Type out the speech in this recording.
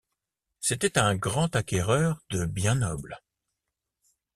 C’était un grand acquéreur de biens nobles.